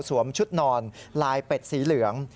ชุดนอนลายเป็ดสีเหลือง